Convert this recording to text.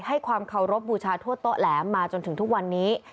ให้ความเคารพบูชาทั่วโต๊ะแหลมมาจนถึงทุกวันนี้